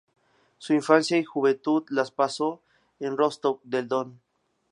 Su infancia y juventud las pasó en Rostov del Don.